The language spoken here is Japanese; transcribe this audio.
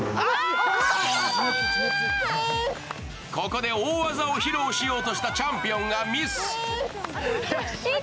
ここで大技を披露しようとしたチャンピオンがミス。